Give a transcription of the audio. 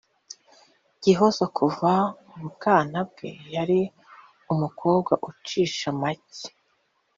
Gihozo kuva mu bwana bwe yari umukobwa ucisha make